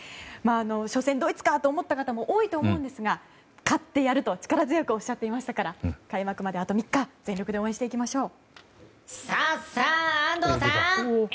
初戦ドイツかと思った方も多いと思いますが勝ってやる！と力強くおっしゃっていましたから開幕まであと３日全力で応援していきましょう。